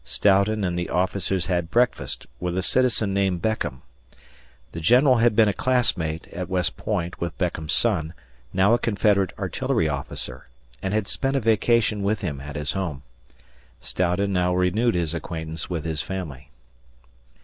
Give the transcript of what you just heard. Stoughton and the officers had breakfast with a citizen named Beckham. The general had been a classmate at West Point with Beckham's son, now a Confederate artillery officer, and had spent a vacation with him at his home. Stoughton now renewed his acquaintance with his family.